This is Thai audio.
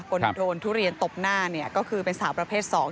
คนโดนทุเรียนตบหน้าก็คือเป็นสาวประเภทสอง